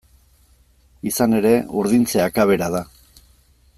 Izan ere, urdintzea akabera da.